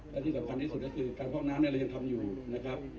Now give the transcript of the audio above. และที่สำคัญที่สุดก็คือการพร่องน้ำเนี่ยเรายังทำอยู่นะครับ